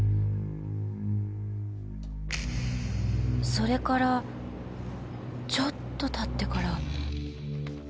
それからちょっと経ってから。